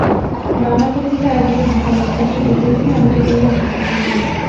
বাংলা একাডেমিতে আয়োজিত ঢাকা লিট ফেস্টের দ্বিতীয় দিনে আলোচিত হলো এসব প্রসঙ্গই।